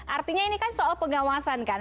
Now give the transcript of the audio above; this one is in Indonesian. artinya ini kan soal pengawasan kan